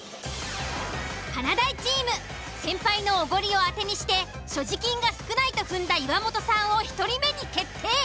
華大チーム先輩のおごりを当てにして所持金が少ないと踏んだ岩本さんを１人目に決定。